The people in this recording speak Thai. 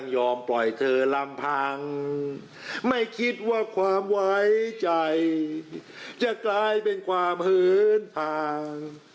ปล่อยเธอลำพังไม่คิดว่าความไว้ใจจะกลายเป็นความหืนทาง